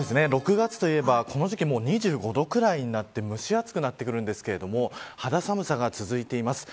６月といえばこの時期、２５度くらいになって蒸し暑くなってきますが肌寒さが続いています。